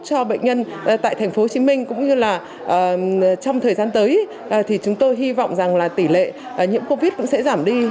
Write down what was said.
cho bệnh nhân tại tp hcm cũng như là trong thời gian tới thì chúng tôi hy vọng rằng là tỷ lệ nhiễm covid cũng sẽ giảm đi